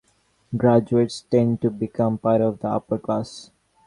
Graduates tend to become part of the upper class.